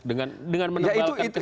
dengan menebalkan kesalahan